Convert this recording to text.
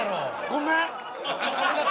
ごめん。